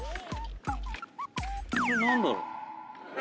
それ何だろう？